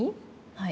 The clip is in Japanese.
はい。